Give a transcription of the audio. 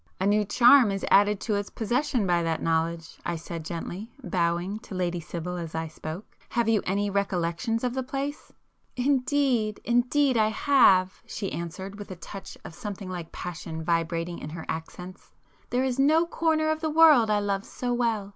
"A new charm is added to its possession by that knowledge,"—I said gently, bowing to Lady Sibyl as I spoke—"Have you many recollections of the place?" [p 138]"Indeed, indeed I have!" she answered with a touch of something like passion vibrating in her accents—"There is no corner of the world I love so well!